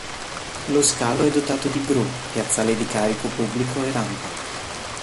Lo scalo è dotato di gru, piazzale di carico pubblico e rampa.